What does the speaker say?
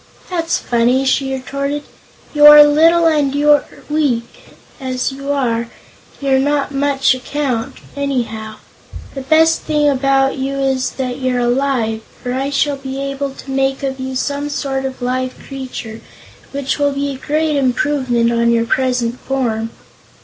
"That's funny," she retorted. "You are little, and you're weak; as you are, you're not much account, anyhow. The best thing about you is that you're alive, for I shall be able to make of you some sort of live creature which will be a great improvement on your present form."